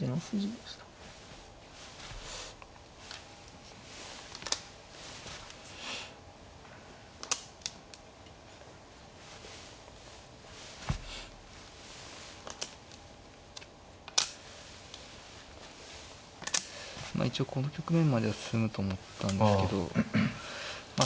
まあ一応この局面までは進むと思ったんですけどま